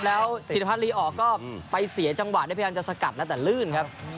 แล้วศิริพัฒนลีออกก็ไปเสียจังหวะได้พยายามจะสกัดแล้วแต่ลื่นครับ